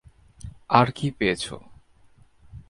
আর কী পেয়েছ?